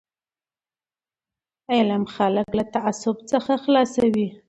علم خلک له تعصب څخه خلاصوي.